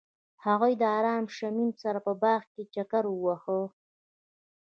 هغوی د آرام شمیم سره په باغ کې چکر وواهه.